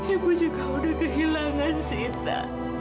ibu juga sudah kehilangan sita